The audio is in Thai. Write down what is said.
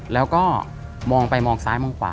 แล้วก็มองไปมองซ้ายมองขวา